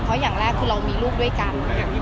เพราะอย่างแรกคือเรามีลูกด้วยกัน